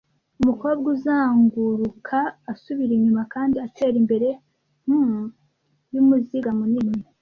Umukobwa uzunguruka asubira inyuma kandi atera imbere hum yumuziga munini,